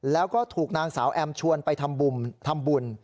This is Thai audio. แล้วก็ถูกนางสาวแอมชวนไปทำบุญ